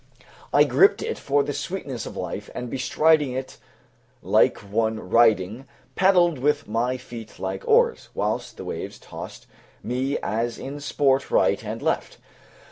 I gripped it for the sweetness of life, and bestriding it like one riding, paddled with my feet like oars, whilst the waves tossed me as in sport right and left.